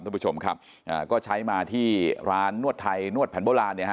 ท่านผู้ชมครับอ่าก็ใช้มาที่ร้านนวดไทยนวดแผนโบราณเนี่ยฮ